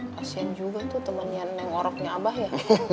kasian juga tuh temennya neng oroknya abah ya